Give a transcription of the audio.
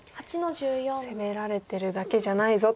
攻められてるだけじゃないぞと。